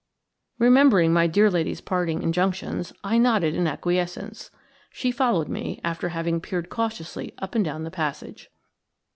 Remembering my dear lady's parting injunctions, I nodded in acquiescence. She followed me, after having peered cautiously up and down the passage.